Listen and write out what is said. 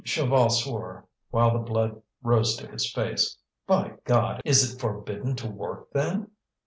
Chaval swore, while the blood rose to his face. "By God! is it forbidden to work, then?"